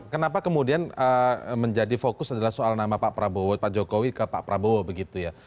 kenapa kemudian menjadi fokus adalah soal nama pak prabowo pak jokowi ke pak prabowo begitu ya